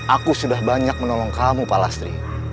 aku sudah banyak menolong kamu pak lastri